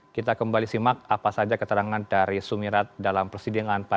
kita kembali simak apa saja keterangan dari sumirat dalam persidangan